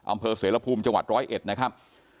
อำเภอเสรภูมิจังหวัด๑๐๑นะครับ